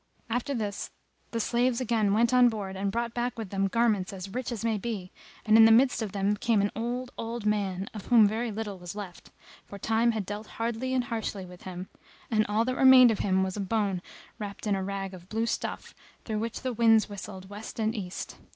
After this the slaves again went on board and brought back with them garments as rich as may be, and in the midst of them came an old, old man, of whom very little was left, for Time had dealt hardly and harshly with him, and all that remained of him was a bone wrapped in a rag of blue stuff through which the winds whistled west and east.